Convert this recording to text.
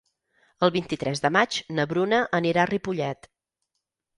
El vint-i-tres de maig na Bruna anirà a Ripollet.